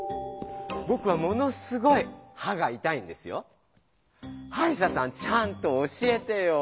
ぼくはものすごいはがいたいんですよ。はいしゃさんちゃんと教えてよ！